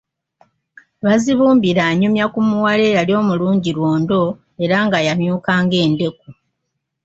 Bazibumbira anyumya ku muwala eyali omulungi lwondo era nga yamyuka ng'endeku.